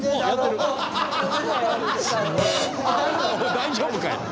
大丈夫かい！